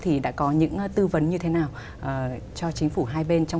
thì đã có những tư vấn như thế nào cho chính phủ hai bên